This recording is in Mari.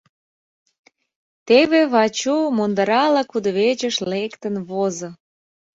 Теве Вачу мундырала кудывечыш лектын возо.